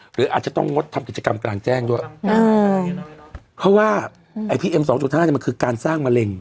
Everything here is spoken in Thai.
หรืออาจจะต้องงดทำกิจกรรมกลางแจ้งด้วยเพราะว่าไอ้พีเอ็มสองจุดห้าเนี่ยมันคือการสร้างมะเร็ง